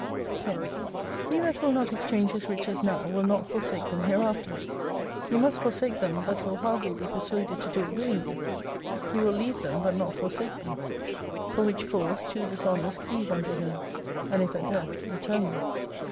10 He that will not exchange his riches now will not forsake them hereafter. He must forsake them but will hardly be persuaded to do it willingly. He will leave them but not forsake them, for which cause two dishonours cleave unto him ; and if at death, eternally.